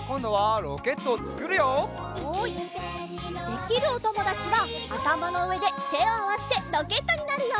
できるおともだちはあたまのうえでてをあわせてロケットになるよ。